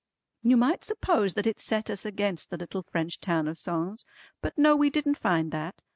You might suppose that it set us against the little French town of Sens, but no we didn't find that.